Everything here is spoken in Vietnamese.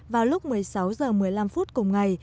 vào lúc một mươi sáu h một mươi năm phút cùng ngày